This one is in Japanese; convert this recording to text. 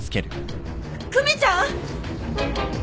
久美ちゃん！？